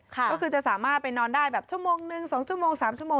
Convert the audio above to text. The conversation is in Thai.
ก็คือจะสามารถไปนอนได้แบบชั่วโมงนึง๒ชั่วโมง๓ชั่วโมง